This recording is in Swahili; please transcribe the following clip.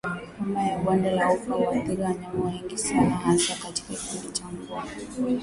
Homa ya bonde la ufa huathiri wanyama wengi sana hasa katika kipindi cha mvua